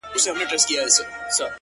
زوکام يم!!